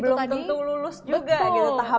belum tentu lulus juga gitu tahap terakhir